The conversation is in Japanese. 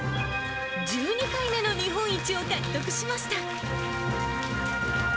１２回目の日本一を獲得しました。